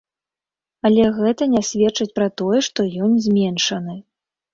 Але гэта не сведчыць пра тое, што ён зменшаны.